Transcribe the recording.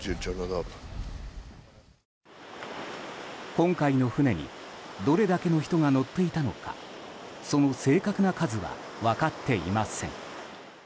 今回の船にどれだけの人が乗っていたのかその正確な数は分かっていません。